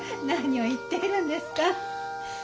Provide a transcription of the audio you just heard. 何を言っているんですか。